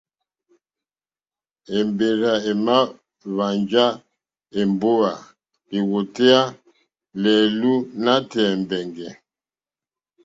Èmbèrzà èmà hwánjá èmbówà lìwòtéyá lɛ̀ɛ̀lú nǎtɛ̀ɛ̀ mbɛ̀ngɛ̀.